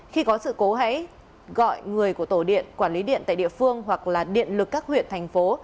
khi có sự cố hãy gọi người của tổ điện quản lý điện tại địa phương hoặc là điện lực các huyện thành phố